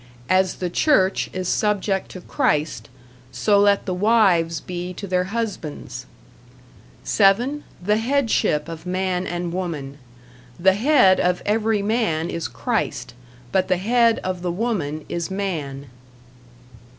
As the Church is subject to Christ, so let the wives be to their husbands. (7) The headship of man and woman. The head of every man is Christ, but the head of the woman is man.